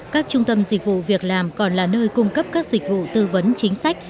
các trung tâm dịch vụ việc làm còn là nơi cung cấp các dịch vụ tư vấn chính sách